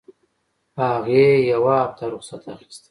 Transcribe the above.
هغې يوه هفته رخصت اخيستى.